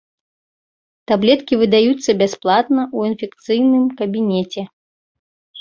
Таблеткі выдаюцца бясплатна ў інфекцыйным кабінеце.